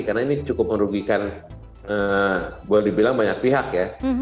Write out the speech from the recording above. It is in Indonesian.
karena ini cukup merugikan boleh dibilang banyak pihak ya